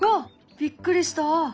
びっくりしたあ。